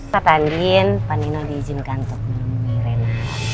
pak andin pandino diizinkan untuk menemui rena